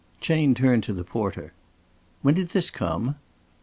Chayne turned to the porter. "When did this come?"